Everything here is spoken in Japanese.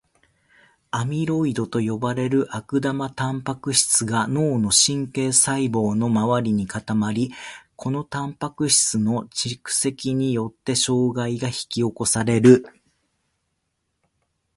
アミロイドと呼ばれる悪玉タンパク質が脳の神経細胞の周りに固まり、このタンパク質の蓄積によって障害が引き起こされる。